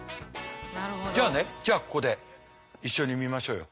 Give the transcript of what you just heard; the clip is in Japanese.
じゃあねじゃあここで一緒に見ましょうよ。